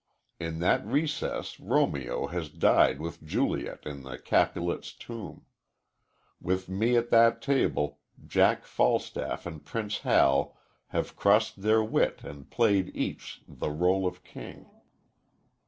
In that recess Romeo has died with Juliet in the Capulets' tomb. With me at that table Jack Falstaff and Prince Hal have crossed their wit and played each the rôle of king.